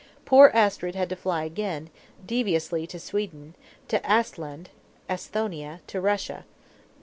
Poor Astrid had to fly again, deviously to Sweden, to Esthland (Esthonia), to Russia.